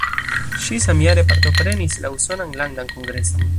Ŝi samjare partoprenis la usonan landan kongreson.